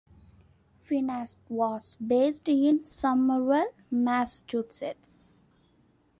Finast was based in Somerville, Massachusetts.